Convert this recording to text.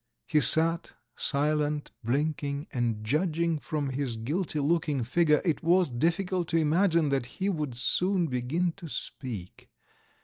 He sat silent, blinking, and judging from his guilty looking figure it was difficult to imagine that he would soon begin to speak.